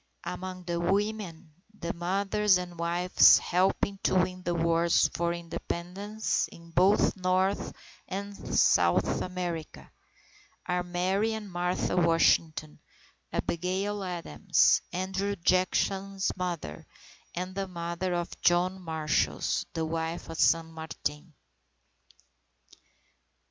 Among the women, the mothers and wives helping to win the Wars for Independence in both North and South America, are Mary and Martha Washington, Abigail Adams, Andrew Jackson's mother, the mother of John Marshall, and the wife of San Martin.